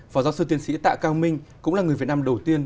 phó giáo sư tiến sĩ tạ cao minh cũng là người việt nam đầu tiên